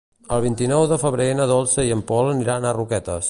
El vint-i-nou de febrer na Dolça i en Pol aniran a Roquetes.